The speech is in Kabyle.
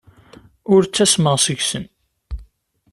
Ur ttasmeɣ seg-sen.